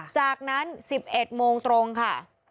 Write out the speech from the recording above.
จากนั้น๑๑โมงตรงค่ะ